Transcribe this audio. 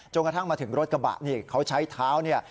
กระทั่งมาถึงรถกระบะนี่เขาใช้เท้าเนี่ย